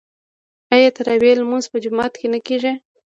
آیا د تراويح لمونځ په جومات کې نه کیږي؟